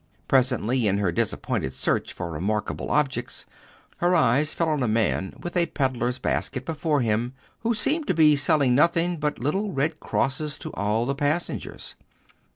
Presently, in her disappointed search for remarkable objects, her eyes fell on a man with a pedlar's basket before him, who seemed to be selling nothing but little red crosses to all the passengers.